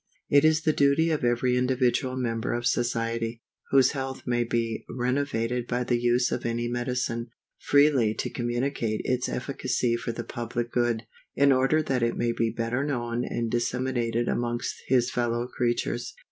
_ IT is the duty of every individual member of society, whose health may be renovated by the use of any medicine, freely to communicate its efficacy for the public good, in order that it may be better known and disseminated amongst his fellow creatures.